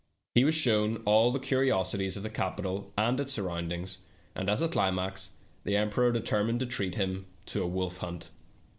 He was .shown all the curi osities of the capital and its surroundings, and as a climax, the emperor determined to treat him to a wolf hunt.